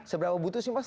seberapa butuh sih mas